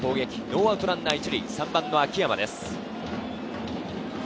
ノーアウトランナー１塁、３番・秋山です。